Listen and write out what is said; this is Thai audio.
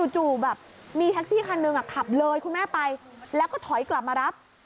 จู่แบบมีแท็กซี่คันหนึ่งขับเลยคุณแม่ไปแล้วก็ถอยกลับมารับ